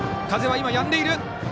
風はやんでいる。